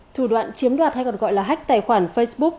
thủ đoạn chiếm đoạt hay còn gọi là hách tài khoản facebook